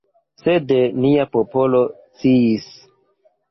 Sed nia popolo sciis.